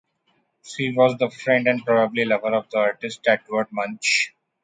She was the friend and probably lover of the artist Edvard Munch.